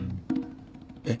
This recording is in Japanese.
えっ？